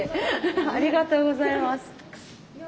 ありがとうございます。